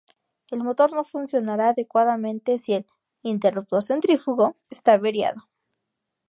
El motor no funcionará adecuadamente si el "interruptor centrífugo" está averiado.